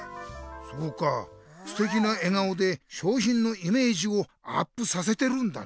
そうかすてきな笑顔でしょうひんのイメージをアップさせてるんだね。